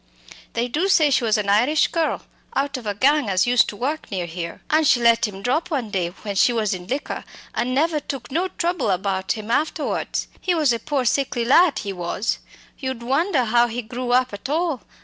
They do say she was an Irish girl, out of a gang as used to work near here an' she let him drop one day when she was in liquor, an' never took no trouble about him afterwards. He was a poor sickly lad, he was! you'd wonder how he grew up at all.